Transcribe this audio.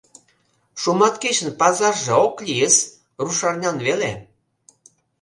Шуматкечын пазарже ок лийыс, рушарнян веле.